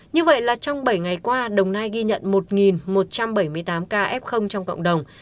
như vậy là trong bảy ngày qua đồng nai ghi nhận một một trăm bảy mươi tám ca f trong cộng đồng